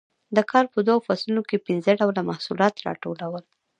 د کال په دوو فصلونو کې پنځه ډوله محصولات راټولول